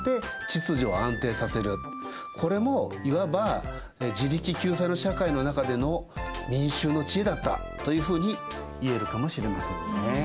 これもいわば自力救済の社会の中での民衆の知恵だったというふうにいえるかもしれませんね。